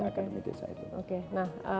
akademi desa itu oke nah